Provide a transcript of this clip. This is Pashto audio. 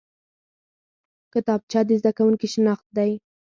کتابچه د زده کوونکي شناخت دی